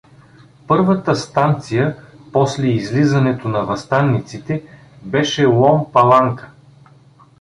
Първата станция после излизанието на въстаниците беше Лом паланка.